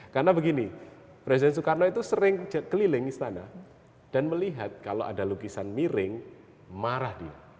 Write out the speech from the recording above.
karena begini presiden soekarno itu sering keliling istana dan melihat kalau ada lukisan miring marah dia